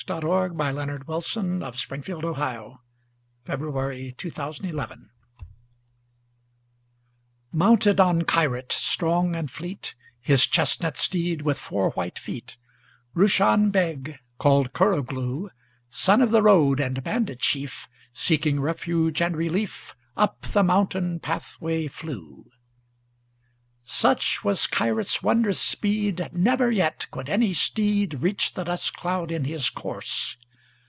9828Birds of Passage â The Leap of Roushan BegHenry Wadsworth Longfellow Mounted on Kyrat strong and fleet, His chestnut steed with four white feet, Roushan Beg, called Kurroglou, Son of the road and bandit chief, Seeking refuge and relief, Up the mountain pathway flew. Such was Kyrat's wondrous speed, Never yet could any steed Reach the dust cloud in his course.